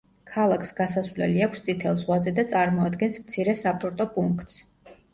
ქალაქს გასასვლელი აქვს წითელ ზღვაზე და წარმოადგენს მცირე საპორტო პუნქტს.